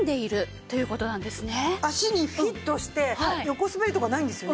足にフィットして横滑りとかないんですよね。